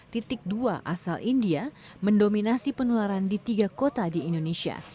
titik dua asal india mendominasi penularan di tiga kota di indonesia